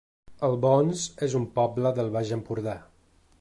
Albons es un poble del Baix Empordà